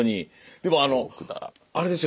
でもあれですよ。